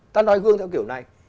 ta nói gương theo kiểu này